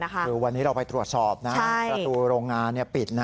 คือวันนี้เราไปตรวจสอบนะประตูโรงงานปิด